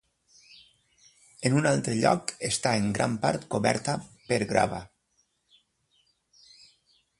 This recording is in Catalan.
En un altre lloc està en gran part coberta per grava.